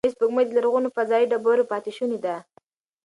کوچنۍ سپوږمۍ د لرغونو فضايي ډبرو پاتې شوني دي.